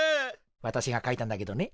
わたしが書いたんだけどね。